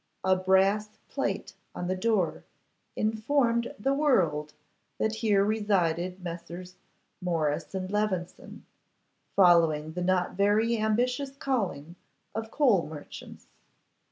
A brass plate on the door informed the world that here resided Messrs. Morris and Levison, following the not very ambitious calling of coal merchants.